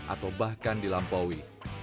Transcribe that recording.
atau bahkan dilampaui